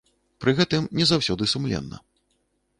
Пры гэтым, не заўсёды сумленна.